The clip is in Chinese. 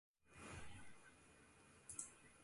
齐藤里奈是一位艺人。